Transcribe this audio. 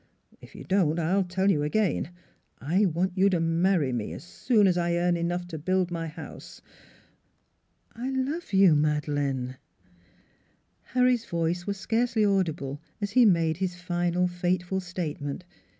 If you don't, I'll tell you again: I want you to marry me as soon as I earn enough to build my house. ... I I love you, Madeleine." Harry's voice was scarcely audible as he made his final fateful statement.